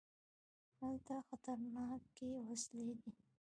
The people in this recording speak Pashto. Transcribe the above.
هلته خطرناکې وسلې دي.